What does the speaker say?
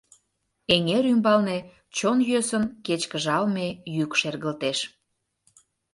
— эҥер ӱмбалне чон йӧсын кечкыжалме йӱк шергылтеш.